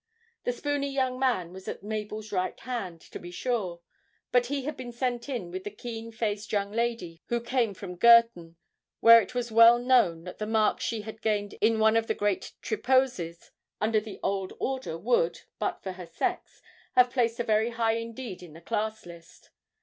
The spoony young man was at Mabel's right hand, to be sure, but he had been sent in with the keen faced young lady who came from Girton, where it was well known that the marks she had gained in one of the great Triposes under the old order, would but for her sex have placed her very high indeed in the class list.